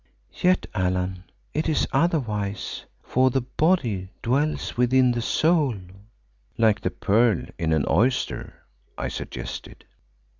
"Yet, Allan, it is otherwise, for the body dwells within the soul." "Like the pearl in an oyster," I suggested.